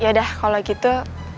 yaudah kalau gitu